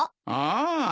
ああ。